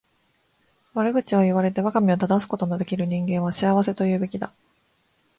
悪口を言われて我が身を正すことの出来る人間は幸せと言うべきだ。